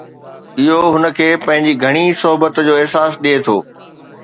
اهو هن کي پنهنجي گهڻي صحبت جو احساس ڏئي ٿو